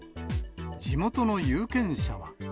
地元の有権者は。